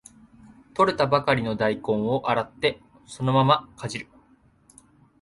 採れたばかりの大根を洗ってそのままかじる